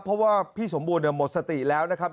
เพราะว่าพี่สมบูรณ์หมดสติแล้วนะครับ